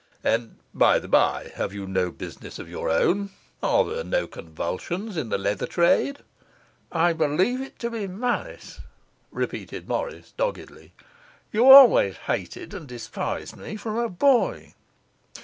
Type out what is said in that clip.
And, by the by, have you no business of your own? Are there no convulsions in the leather trade?' 'I believe it to be malice,' repeated Morris doggedly. 'You always hated and despised me from a boy.